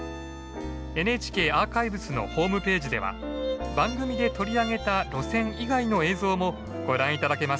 ＮＨＫアーカイブスのホームページでは番組で取り上げた路線以外の映像もご覧頂けます。